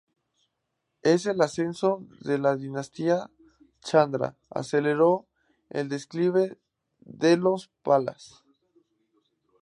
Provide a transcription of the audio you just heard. El ascenso de la dinastía Chandra aceleró el declive de los palas.